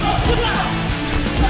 gak ada masalah